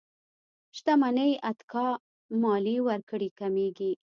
شتمنۍ اتکا ماليې ورکړې کمېږي.